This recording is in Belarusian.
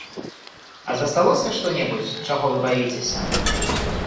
А засталося што-небудзь, чаго вы баіцеся?